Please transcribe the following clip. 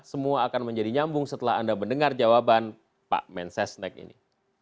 semua akan menjadi nyambung setelah anda mendengar jawaban pak mensesnek ini